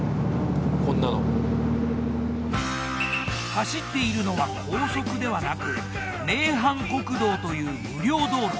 走っているのは高速ではなく名阪国道という無料道路。